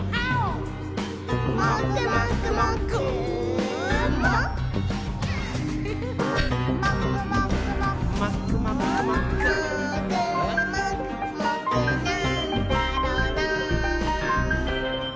「もーくもくもくなんだろなぁ」